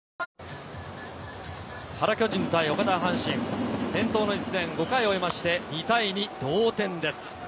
原巨人対岡田阪神、伝統の一戦は５回を終えて、２対２の同点です。